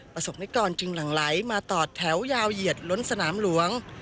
ประสบนิกรจึงหลั่งไหลมาต่อแถวยาวเหยียดล้นสนามหลวง